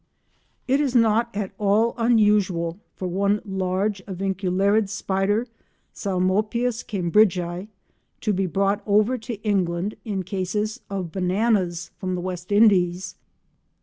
It is not at all unusual for one large Avicularid spider, Psalmopoeus cambridgii, to be brought over to England in cases of bananas from the W. Indies.